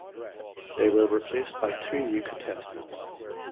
They were replaced by two new contestants.